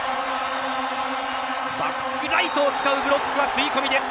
バックライトを使うブロックは吸い込みです。